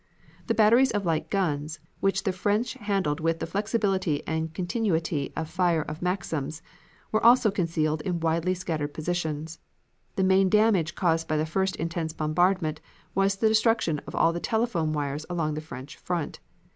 The batteries of light guns, which the French handled with the flexibility and continuity of fire of Maxims, were also concealed in widely scattered positions. The main damage caused by the first intense bombardment was the destruction of all the telephone wires along the French front.